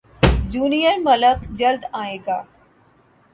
junior Malik جلد ائے گا